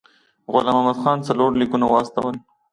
غلام محمد خان څلور لیکونه واستول.